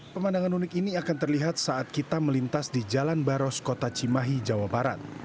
pemandangan unik ini akan terlihat saat kita melintas di jalan baros kota cimahi jawa barat